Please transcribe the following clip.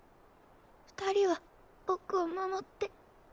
二人は僕を守って。